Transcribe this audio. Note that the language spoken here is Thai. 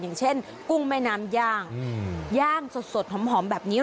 อย่างเช่นกุ้งแม่น้ำย่างย่างสดหอมแบบนี้